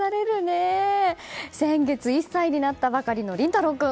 先月１歳になったばかりの琳太朗君。